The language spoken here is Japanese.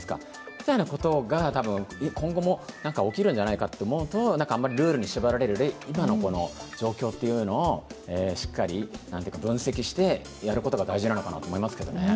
みたいなことが今後も起きるんじゃないかと思うとルールに縛られる今の状況をしっかり分析してやることが大事なのかなと思いますけどね。